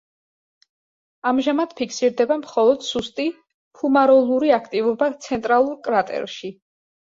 ამჟამად ფიქსირდება მხოლოდ სუსტი ფუმაროლური აქტივობა ცენტრალურ კრატერში.